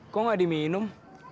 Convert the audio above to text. kok gak diminum